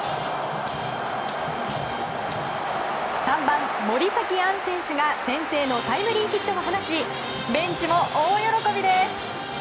３番、森崎杏選手が先制のタイムリーヒットを放ちベンチも大喜びです！